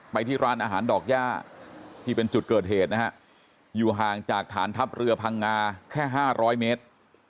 ที่ร้านอาหารดอกย่าที่เป็นจุดเกิดเหตุนะฮะอยู่ห่างจากฐานทัพเรือพังงาแค่๕๐๐เมตร